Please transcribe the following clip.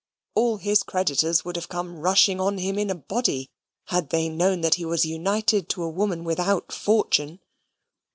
All his creditors would have come rushing on him in a body, had they known that he was united to a woman without fortune.